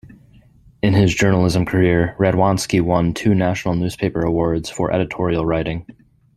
In his journalism career, Radwanski won two National Newspaper Awards for editorial writing.